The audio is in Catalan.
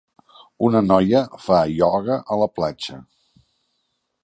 Una noia fa ioga a la platja.